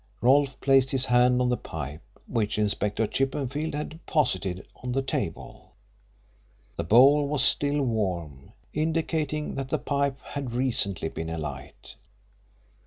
Rolfe placed his hand on the pipe, which Inspector Chippenfield had deposited on the table. The bowl was still warm, indicating that the pipe had recently been alight.